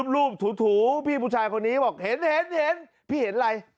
รูปถูพี่ผู้ชายคนนี้บอกเห็นเห็นพี่เห็นอะไร